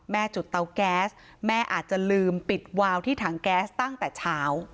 จุดเตาแก๊สแม่อาจจะลืมปิดวาวที่ถังแก๊สตั้งแต่เช้า